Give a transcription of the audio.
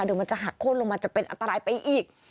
เดี๋ยวมันจะหักโค้นลงมาจะเป็นอันตรายไปอีก